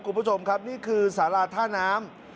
คุณผู้ชมครับนี่คือสาราท่าน้ำ